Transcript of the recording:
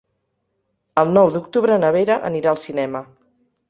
El nou d'octubre na Vera anirà al cinema.